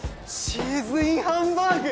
チーズインハンバーグ！